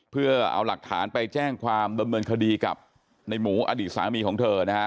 เพื่อเอาหลักฐานไปแจ้งความดำเนินคดีกับในหมูอดีตสามีของเธอนะฮะ